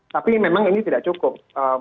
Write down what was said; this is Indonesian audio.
tapi memang ini tidak cukup